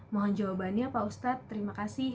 mohon jawabannya pak ustadz terimakasih